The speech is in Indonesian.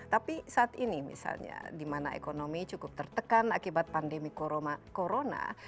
tapi saat ini misalnya di mana ekonomi cukup tertekan akibat pandemi corona